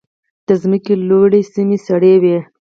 د ځمکې لوړې سیمې سړې وي.